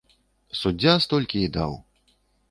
Суддзя столькі і даў.